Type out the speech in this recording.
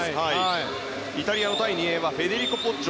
イタリアの第２泳はフェデリコ・ポッジョ。